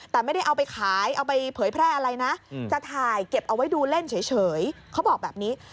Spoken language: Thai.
แต่ไม่ได้เอาไปขายเอาไปเผยแพร่อะไรนะจะถ่ายเก็บเอาไว้ดูเล่นเฉยเขาบอกแบบนี้